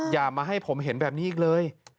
อย่ามาให้ผมเห็นแบบนี้อีกเลย